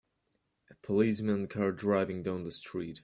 The policeman car driving down the street.